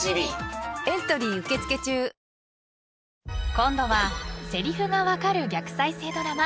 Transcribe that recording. ［今度はせりふが分かる逆再生ドラマ。